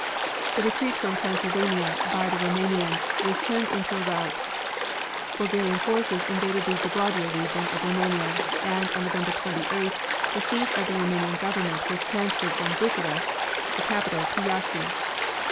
The retreat from Transylvania by the Roumanians was turned into a rout. Bulgarian forces invaded the Dobrudja region of Roumania and on November 28th the seat of the Roumanian Government was transferred from Bucharest, the capital, to Jassy.